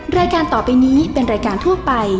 รายการต่อไปนี้เป็นรายการทั่วไป